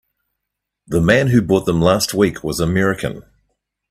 The man who bought them last week was American.